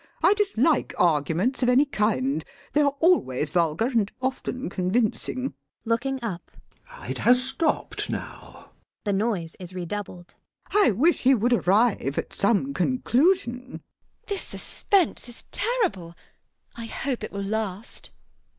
I dislike arguments of any kind. They are always vulgar, and often convincing. CHASUBLE. [Looking up.] It has stopped now. [The noise is redoubled.] LADY BRACKNELL. I wish he would arrive at some conclusion. GWENDOLEN. This suspense is terrible. I hope it will last.